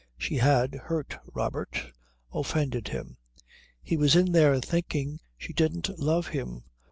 She had hurt Robert, offended him. He was in there thinking she didn't love him.